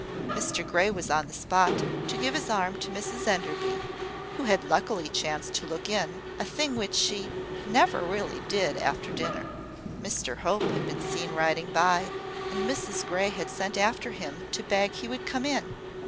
Mr Grey was on the spot; to give his arm to Mrs Enderby, who had luckily chanced to look in, a thing which "she really never did after dinner." Mr Hope had been seen riding by, and Mrs Grey had sent after him to beg he would come in.